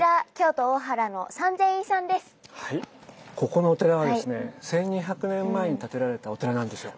ここのお寺はですね１，２００年前に建てられたお寺なんですよ。